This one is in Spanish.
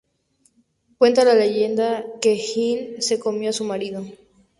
Cuenta la leyenda que Hind se comió a su marido.